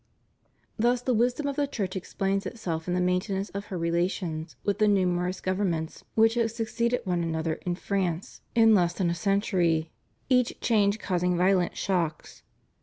Thus the wisdom of the Church explains itseK in the maintenance of her relations with the numerous govern ments which have succeeded one another in France in less than a century, each change causing violent shocks.